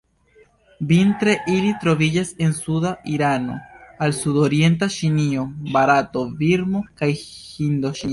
Vintre ili troviĝas el suda Irano al sudorienta Ĉinio, Barato, Birmo kaj Hindoĉinio.